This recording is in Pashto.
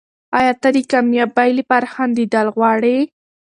ایا ته د کامیابۍ لپاره خندېدل غواړې؟